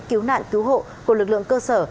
cứu nạn cứu hộ của lực lượng cơ sở